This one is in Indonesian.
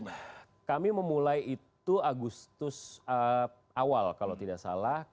jadi yang kami memulai itu agustus awal kalau tidak salah